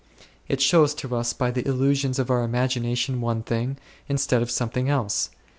It shows to us by the illusions of our im agination one thing, instead of something else.